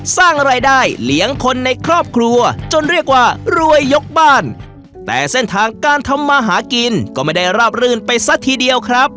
สร้างรายได้เลี้ยงคนในครอบครัวจนเรียกว่ารวยยกบ้านแต่เส้นทางการทำมาหากินก็ไม่ได้ราบรื่นไปซะทีเดียวครับ